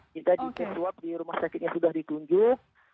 kita di tes swab di rumah sakitnya sudah ditunjuk